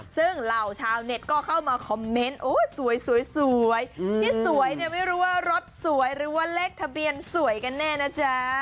ซึ่งเหล่าชาวเน็ตก็เข้ามาคอมเมนต์โอ้สวยที่สวยเนี่ยไม่รู้ว่ารถสวยหรือว่าเลขทะเบียนสวยกันแน่นะจ๊ะ